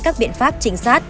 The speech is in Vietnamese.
các biện pháp trinh sát